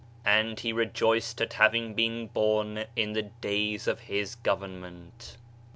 And he rejoiced at having been born in the days of his government.